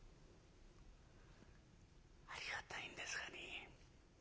「ありがたいんですがね。